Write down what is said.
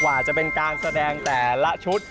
ว่าจะเป็นการแสดงแต่ละชุด